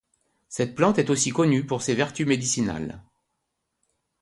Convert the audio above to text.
Cette plante est aussi connue pour ses vertus médicinales.